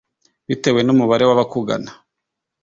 bitewe n’umubare w’abakugana